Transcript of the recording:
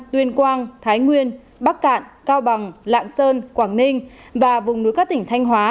tuyên quang thái nguyên bắc cạn cao bằng lạng sơn quảng ninh và vùng núi các tỉnh thanh hóa